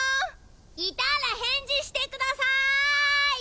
いたら返事してください。